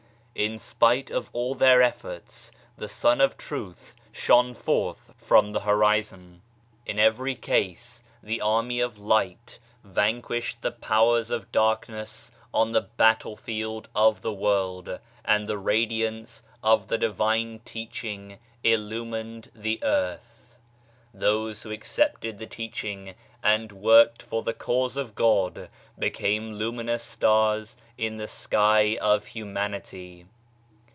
In spite of all their efforts the Sun of Truth shone forth from the Horizon. In every case the Army of i j >et Divine Manifestation. 94 ON CALUMNY Light vanquished the Powers of Darkness on the Battle field of the World, and the Radiance of the Divine Teaching illumined the Earth. Those who accepted the Teaching and worked for the Cause of God, became luminous stars in the sky of Humanity.